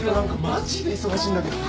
マジで忙しいんだけど。